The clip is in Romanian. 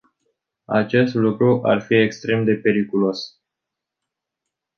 Acest lucru ar fi extrem de periculos.